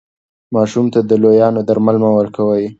ماشوم ته د لویانو درمل مه ورکوئ.